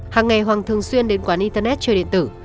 hàng ngày hoàng thường xuyên đến quán internet chơi điện tử